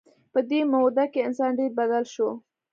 په دې موده کې انسان ډېر بدل شو.